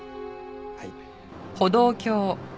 はい。